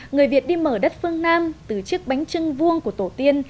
người việt đi mở đất phương nam từ chiếc bánh trưng vuông của tổ tiên